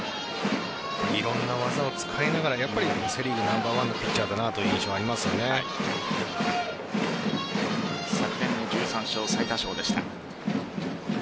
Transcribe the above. いろんな技を使いながらセ・リーグナンバーワンのピッチャーだなという昨年の１３勝、最多勝でした。